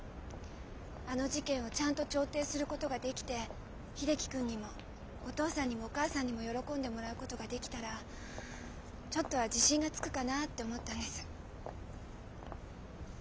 あの事件をちゃんと調停することができて秀樹君にもお父さんにもお母さんにも喜んでもらうことができたらちょっとは自信がつくかなって思ったんです。